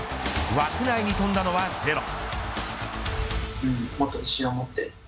枠内に飛んだのはゼロ。